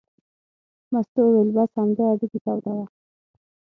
مستو وویل: بس همدا هډوکي تودوه.